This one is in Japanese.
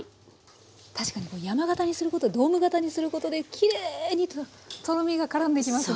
確かにこう山形にすることドーム形にすることできれいにとろみが絡んでいきますね。